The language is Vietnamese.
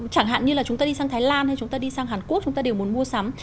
chẳng hạn như là chúng ta đi sang thái lan hay chúng ta đi sang hàn quốc chúng ta đều muốn mua sắm